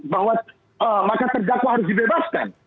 bahwa terdakwa harus dibebaskan